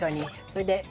それで。